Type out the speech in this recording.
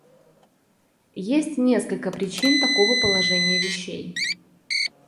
Есть несколько причин такого положения вещей.